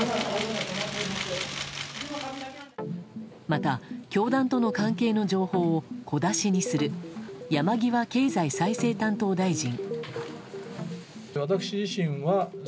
また、教団との関係の情報を小出しにする山際経済再生担当大臣。